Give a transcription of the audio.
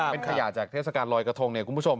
เป็นขยาจากเทศกาลรอยกระทง